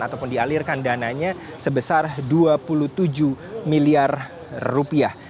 ataupun dialirkan dananya sebesar dua puluh tujuh miliar rupiah